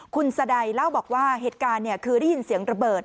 คุณสใดเล่าบอกว่าเหตุการณ์คือได้ยินเสียงระเบิด